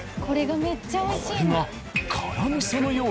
これがめっちゃ美味しいの。